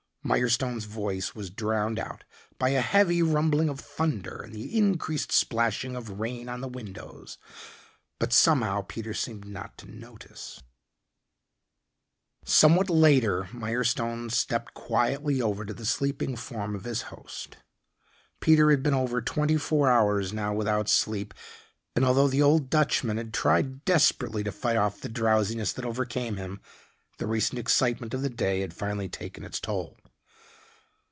Mirestone's voice was drowned out by a heavy rumbling of thunder and the increased splashing of rain on the windows. But somehow Peter seemed not to notice. Somewhat later Mirestone stepped quietly over to the sleeping form of his host. Peter had been over twenty four hours now without sleep, and although the old Dutchman had tried desperately to fight off the drowsiness that overcame him, the recent excitement of the day had finally taken its toll.